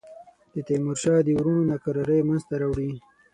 د تیمورشاه د وروڼو ناکراری منځته راوړي.